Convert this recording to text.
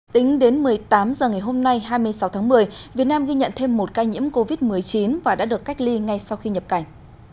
tính đến một mươi tám h ngày hôm nay hai mươi sáu tháng một mươi việt nam ghi nhận thêm một ca nhiễm covid một mươi chín và đã được cách ly ngay sau khi nhập cảnh